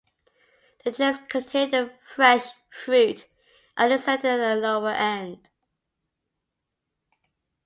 The trays containing the fresh fruit are inserted at the lower end.